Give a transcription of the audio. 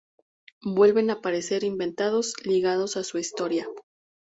Vuelven a aparecer invitados ligados a su historia.